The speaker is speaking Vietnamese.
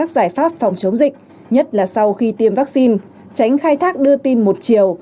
các giải pháp phòng chống dịch nhất là sau khi tiêm vaccine tránh khai thác đưa tin một chiều